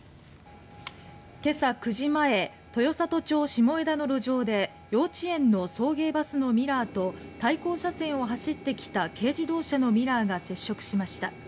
今朝９時前豊郷町下枝の路上で幼稚園の送迎バスのミラーと対向車線を走ってきた軽自動車のミラーが接触しました。